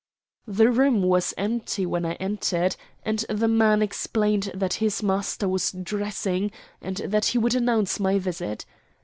The room was empty when I entered, and the man explained that his master was dressing, and that he would announce my visit.